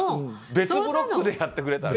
別のブロックでやってくれたらね。